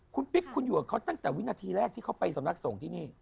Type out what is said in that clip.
คุณปิ๊กคุณอยู่กับเขาตั้งแต่วินาทีแรกที่เขาไปสำนักสงฆ์ที่นี่